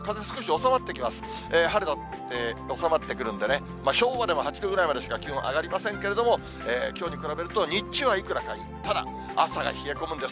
収まってくるんでね、正午でも８度ぐらいまでしか気温上がってきませんけれども、きょうに比べると日中はいくらか、ただ、朝が冷え込むんです。